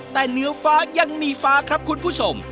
แต่เหนือฟ้ายังมีฟ้าครับคุณผู้ชม